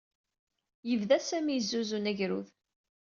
Yebda Sami yezzuzun agerrud.